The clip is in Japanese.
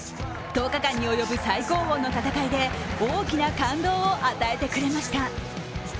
１０日間におよぶ最高峰の戦いで大きな感動を与えてくれました、。